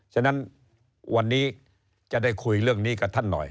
ฉะนั้นวันนี้จะได้คุยเรื่องนี้กับท่านหน่อย